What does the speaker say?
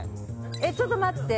「えっちょっと待って。